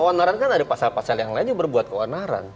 keonaran kan ada pasal pasal yang lainnya berbuat keonaran